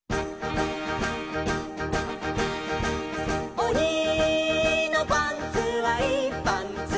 「おにのパンツはいいパンツ」